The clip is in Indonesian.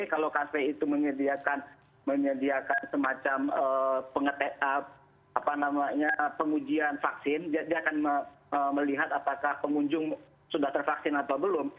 kalau kafe itu menyediakan semacam pengujian vaksin dia akan melihat apakah pengunjung sudah tervaksin atau belum